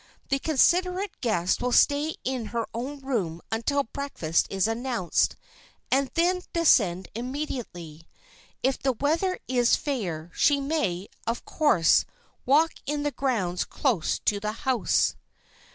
The considerate guest will stay in her own room until breakfast is announced, then descend immediately. If the weather is fair, she may, of course, walk in the grounds close to the house.